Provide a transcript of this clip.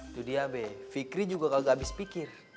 itu dia be fikri juga kagak abis pikir